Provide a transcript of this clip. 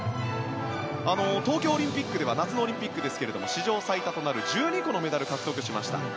東京オリンピックでは夏のオリンピックですが史上最多となる１２個のメダルを獲得しました。